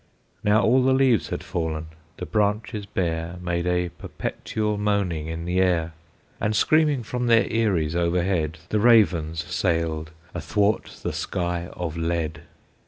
Now all the leaves had fallen; the branches bare Made a perpetual moaning in the air, And screaming from their eyries overhead The ravens sailed athwart the sky of lead.